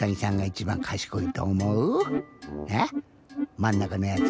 まんなかのやつ？